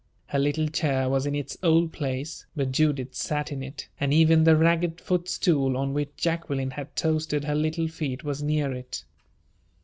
Her little chair was in its old place, but Judith sat in it; and even the ragged footstool on which Jacqueline had toasted her little feet was near it.